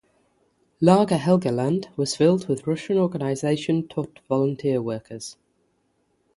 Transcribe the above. "Lager Helgoland" was filled with Russian Organisation Todt volunteer workers.